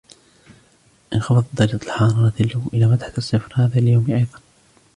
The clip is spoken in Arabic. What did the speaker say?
انخفضت درجة حرارة الجو إلى ما تحت الصفر هذا اليوم أيضاً.